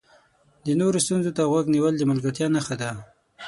د نورو ستونزو ته غوږ نیول د ملګرتیا نښه ده.